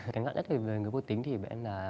cái ngã nhất về người vô tính thì em là